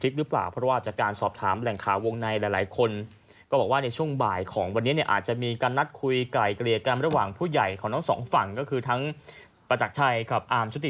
คือทั้งประจักษ์ไทยกับอาร์มชุติมารนะครับ